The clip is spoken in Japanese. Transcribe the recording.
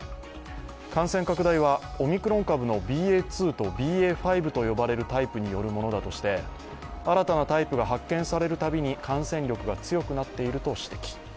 感染拡大はオミクロン株のＢＡ．２とＢＡ．５と呼ばれるタイプによるものだとして、新たなタイプが発見されるたびに感染力が強くなっていると指摘。